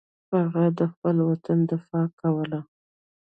هغه د خپل وطن دفاع کوله.